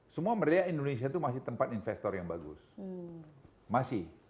semua meriah indonesia itu masih tempat investor yang bagus masih